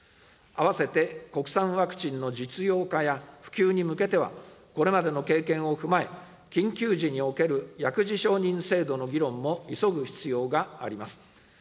併せて、国産ワクチンの実用化や、普及に向けては、これまでの経験を踏まえ、緊急時における薬事承認制度の議論も急ぐ必要があります。